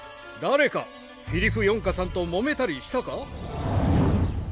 誰かフィリフヨンカさんともめたりしたか？